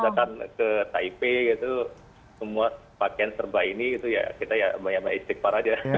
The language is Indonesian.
atau datang ke taipei gitu semua pakaian serba ini kita ya bayam bayam istikfar aja